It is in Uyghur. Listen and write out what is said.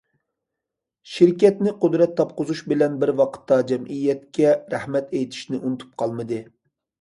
شىركەتنى قۇدرەت تاپقۇزۇش بىلەن بىر ۋاقىتتا، جەمئىيەتكە رەھمەت ئېيتىشنى ئۇنتۇپ قالمىدى.